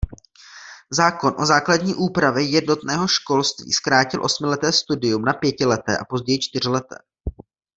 Zákon o základní úpravě jednotného školství zkrátil osmileté studium na pětileté a později čtyřleté.